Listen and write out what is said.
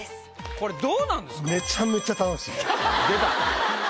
これどうなんですか？